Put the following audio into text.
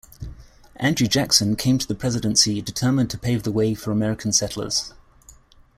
Andrew Jackson came to the Presidency determined to pave the way for American settlers.